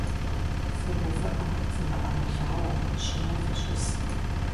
Фыувыӏэ, фымыӏэуэлъауэу, щыму фыщыс.